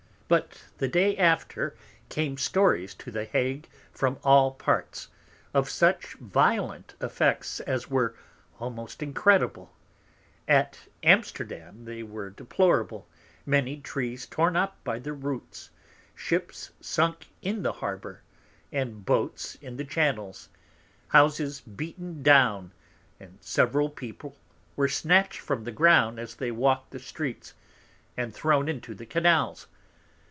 But the Day after came Stories to the Hague from all Parts, of such violent Effects as were almost incredible: At Amsterdam they were deplorable, many Trees torn up by the Roots, Ships sunk in the Harbour, and Boats in the Channels; Houses beaten down, and several People were snatch'd from the Ground as they walk'd the Streets, and thrown into the Canals.